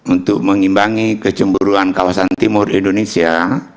untuk mengimbangi kecemburuan kawasan timur indonesia